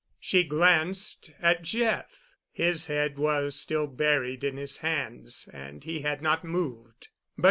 She glanced at Jeff. His head was still buried in his hands, and he had not moved.